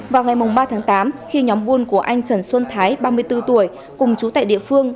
vào ngày ba tháng tám khi nhóm buôn của anh trần xuân thái ba mươi bốn tuổi cùng chú tại địa phương